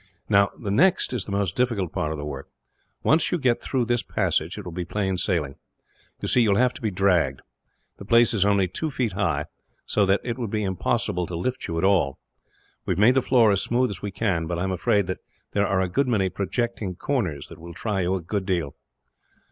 "Now, the next is the most difficult part of the work once we get you through this passage, it will be plain sailing. You see, you will have to be dragged. The place is only two feet high, so that it would be impossible to lift you at all. We have made the floor as smooth as we can, but I am afraid that there are a good many projecting corners, that will try you a good deal."